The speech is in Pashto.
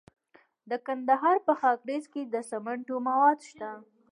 د کندهار په خاکریز کې د سمنټو مواد شته.